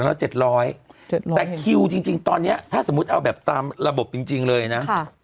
แล้ว๗๐๐แต่คิวจริงตอนนี้ถ้าสมมุติเอาแบบตามระบบจริงเลยนะ